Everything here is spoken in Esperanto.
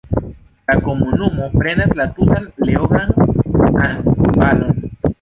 La komunumo prenas la tutan Leogang-an valon.